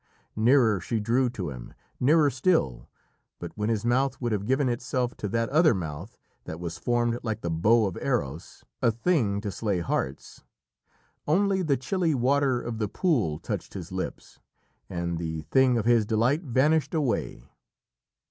Nearer she drew to him, nearer still, but when his mouth would have given itself to that other mouth that was formed like the bow of Eros a thing to slay hearts only the chilly water of the pool touched his lips, and the thing of his delight vanished away.